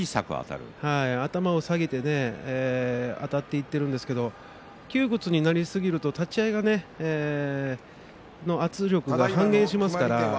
頭を下げてあたっていっているんですけど、窮屈になりすぎると立ち合いの圧力が半減しますね。